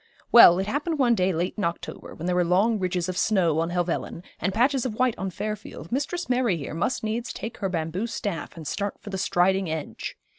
Well, it happened one day late in October, when there were long ridges of snow on Helvellyn, and patches of white on Fairfield, Mistress Mary here must needs take her bamboo staff and start for the Striding Edge.